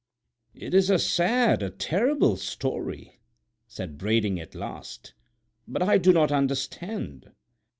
"It is a sad, a terrible story," said Brading at last, "but I do not understand.